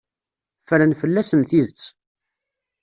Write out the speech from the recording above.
Ffren fell-asen tidet.